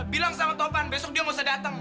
bilang sama topan besok dia gak usah dateng